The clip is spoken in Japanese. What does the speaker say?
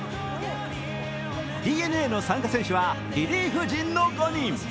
ＤｅＮＡの参加選手はリリーフ陣の５人。